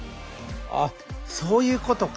あそういうことか。